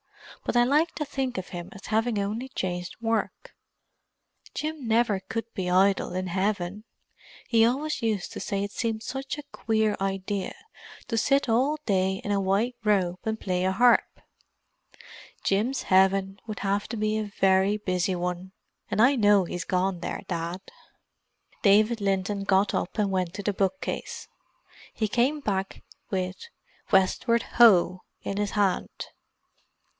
But I like to think of him as having only changed work. Jim never could be idle in Heaven; he always used to say it seemed such a queer idea to sit all day in a white robe and play a harp. Jim's Heaven would have to be a very busy one, and I know he's gone there, Dad." David Linton got up and went to the bookcase. He came back with Westward Ho! in his hand.